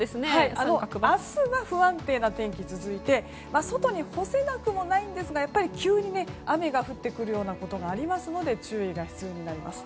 明日が不安定な天気が続いて外に干せなくもないんですがやっぱり急に雨が降ってくるようなことがありますので注意が必要です。